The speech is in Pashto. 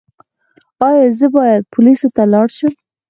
ایا زه باید پولیسو ته لاړ شم؟